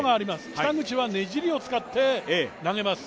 北口はねじりを使って投げます。